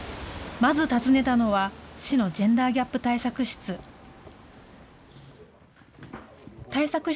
まず訪ねたのは、市のジェンダーギャップ対策室。